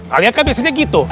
kalian kan biasanya gitu